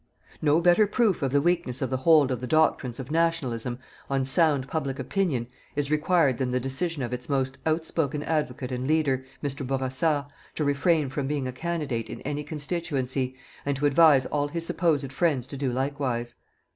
No better proof of the weakness of the hold of the doctrines of "Nationalism," on sound public opinion, is required than the decision of its most outspoken advocate and leader, Mr. Bourassa, to refrain from being a candidate in any constituency, and to advise all his supposed friends to do likewise.